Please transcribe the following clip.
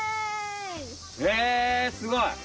えすごい！